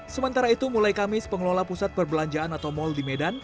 sementara itu mulai kamis pengelola pusat perbelanjaan atau mal di medan